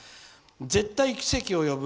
「絶対奇跡を呼ぶ！